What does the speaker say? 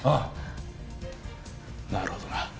なるほどな。